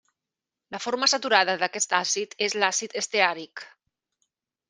La forma saturada d'aquest àcid és l'àcid esteàric.